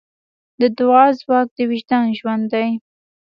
د دعا ځواک د وجدان ژوند دی.